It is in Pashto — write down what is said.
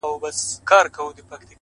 هره ستونزه د نوې لارې پیل وي،